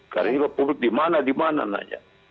karena ini publik dimana dimana saja